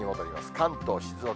関東、静岡。